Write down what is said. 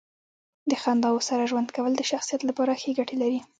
د خنداوو سره ژوند کول د شخصیت لپاره ښې ګټې لري.